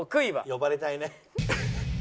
呼ばれたい。